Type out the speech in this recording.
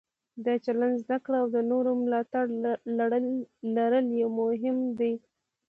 د چلند زده کړه او د نورو ملاتړ لرل یې مهم دي.